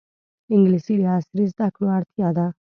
انګلیسي د عصري زده کړو اړتیا ده